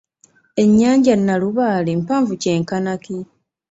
Ennyanja Nalubaale mpanvu kyenkana ki?